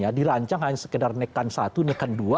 jadi kalau di pks kan sekedar nekan satu nekan dua